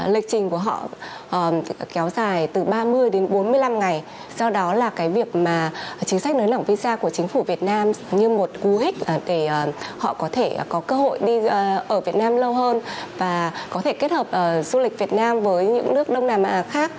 lịch trình của họ kéo dài từ ba mươi đến bốn mươi năm ngày do đó là cái việc mà chính sách nới lỏng visa của chính phủ việt nam như một cú hích để họ có thể có cơ hội đi ở việt nam lâu hơn và có thể kết hợp du lịch việt nam với những nước đông nam á khác